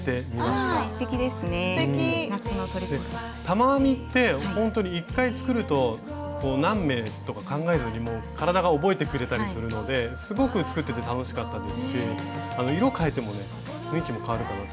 玉編みってほんとに１回作ると何目とか考えずに体が覚えてくれたりするのですごく作ってて楽しかったですし色をかえてもね雰囲気もかわるかな。